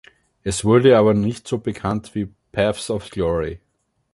Es wurde aber nicht so bekannt wie "Paths of Glory".